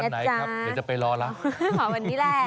เดี๋ยวจะไปรอล่ะขอวันนี้แหละ